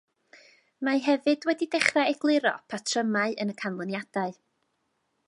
Mae hefyd wedi dechrau egluro patrymau yn y canlyniadau